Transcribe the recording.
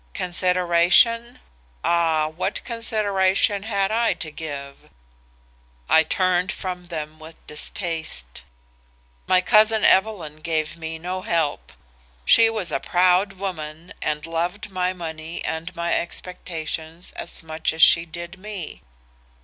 Consideration? ah, what consideration had I to give? I turned from them with distaste. "My cousin Evelyn gave me no help. She was a proud woman and loved my money and my expectations as much as she did me.